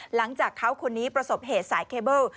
หลังจากเขาคนนี้ประสบเหตุสายเคเบิล